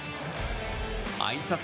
あいさつ